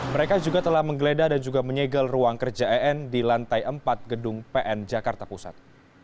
mereka juga telah menggeledah dan juga menyegel ruang kerja en di lantai empat gedung pn jakarta pusat